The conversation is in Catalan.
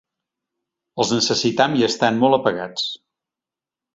Els necessitam i estan molt apagats.